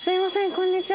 こんにちは。